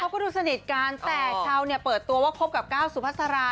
ก็ดูสนิทกันแต่ชาวเนี่ยเปิดตัวว่าคบกับก้าวสุภาษารา